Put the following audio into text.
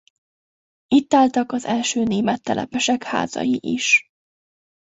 Itt álltak az első német telepesek házai is.